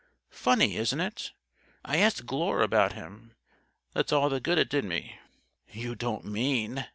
Funny, isn't it? I asked Glure about him. That's all the good it did me." "You don't mean